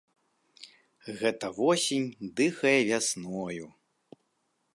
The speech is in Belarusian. Гэта восень дыхае вясною.